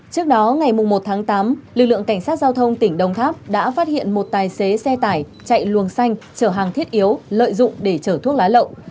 trước đó ngày một tháng tám lực lượng cảnh sát giao thông tỉnh đồng tháp đã phát hiện một tài xế xe tải chạy luồng xanh chở hàng thiết yếu lợi dụng để chở thuốc lá lậu